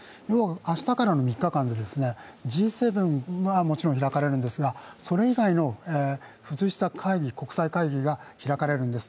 明日からの３日間でＧ７はもちろん開かれるんですが、それ以外の付随した国際会議が開かれるんです。